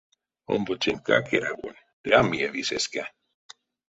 Омбоцентькак эряволь, ды а миеви сеске.